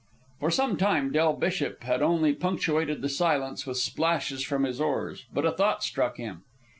For some time Del Bishop had only punctuated the silence with splashes from his oars; but a thought struck him.